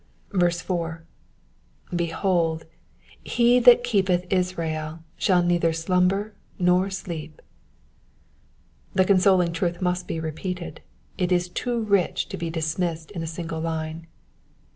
4. ^^ Behold, he that keepeth Israel shall neither slvmber nor sleep.'''' The consoling truth must be repeated : it is too rich to be dismissed in a single line.